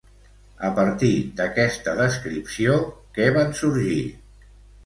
A partir d'aquesta descripció, què van sorgir?